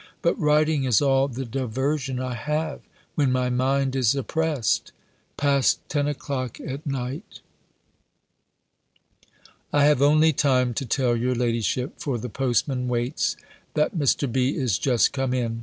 But writing is all the diversion I have, when my mind is oppressed. PAST TEN O'CLOCK AT NIGHT. I have only time to tell your ladyship (for the postman waits) that Mr. B. is just come in.